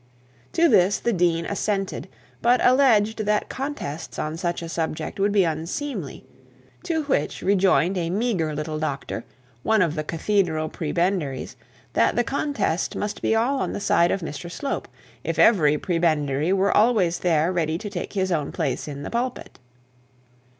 To this the dean assented, but alleged that contests on such a subject would be unseemly; to which rejoined a meagre little doctor, one of the cathedral prebendaries, that the contest must be all on the side of Mr Slope if every prebendary were always there ready to take his own place in the pulpit.